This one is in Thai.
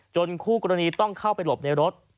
คู่กรณีต้องเข้าไปหลบในรถ